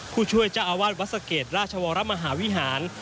ผู้ช่วยจะอาวาสวรรค์วัศเกตรราชวรรมหาวิหาร